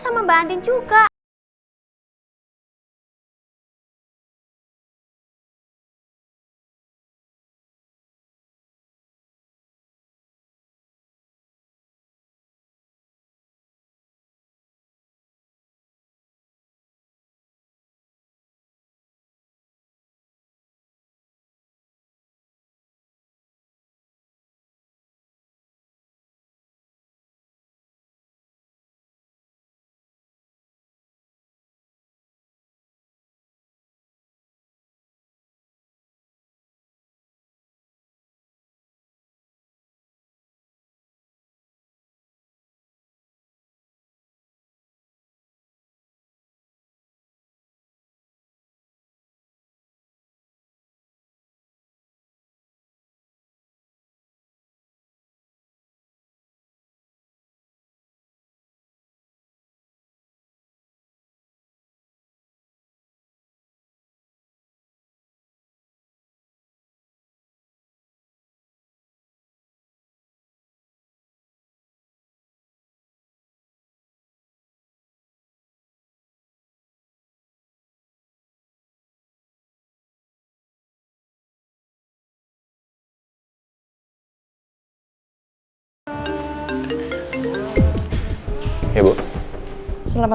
kamu cari kemana